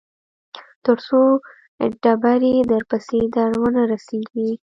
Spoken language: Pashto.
تر څو ډبرې درپسې در ونه رسېږي.